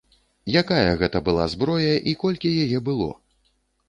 Якая гэта была зброя, і колькі яе было?